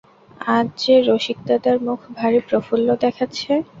আজ যে রসিকদাদার মুখ ভারি প্রফুল্ল দেখাচ্ছে?